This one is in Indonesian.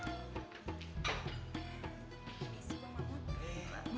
isi bang mahmud